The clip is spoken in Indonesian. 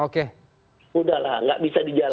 sudahlah nggak bisa dijalankan